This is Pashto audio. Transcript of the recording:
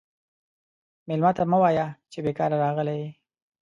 مېلمه ته مه وایه چې بیکاره راغلی یې.